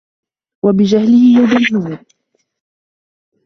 وَبِجَهْلِهِ يَضِلُّونَ